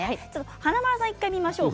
華丸さん１回、見ましょうか。